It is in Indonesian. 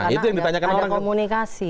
iya karena ada komunikasi